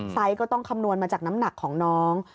ก็ต้องคำนวณมาจากน้ำหนักของน้อง